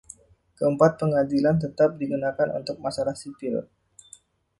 Keempat Pengadilan tetap digunakan untuk masalah sipil.